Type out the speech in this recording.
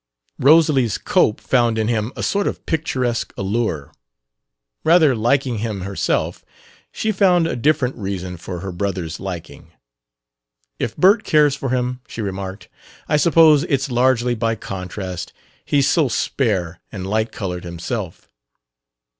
Rosalys Cope found in him a sort of picturesque allure. Rather liking him herself, she found a different reason for her brother's liking. "If Bert cares for him," she remarked, "I suppose it's largely by contrast he's so spare and light colored himself."